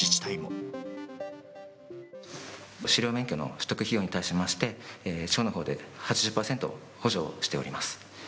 狩猟免許の取得費用に対しまして、町のほうで８０％、補助をしております。